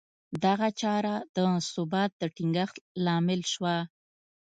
دغه چاره د ثبات د ټینګښت لامل شوه